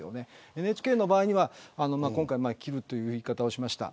ＮＨＫは今回、切るという言い方をしました。